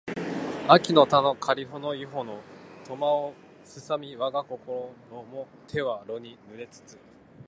秋（あき）の田のかりほの庵（いほ）の苫（とま）を荒みわがころも手は露に濡れつつ